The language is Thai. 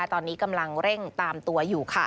ตอนนี้กำลังเร่งตามตัวอยู่